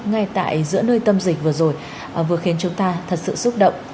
ngay tại giữa nơi tâm dịch vừa rồi vừa khiến chúng ta thật sự xúc động